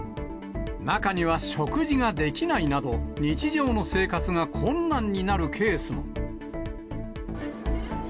中には食事ができないなど、日常の生活が困難になるケースも。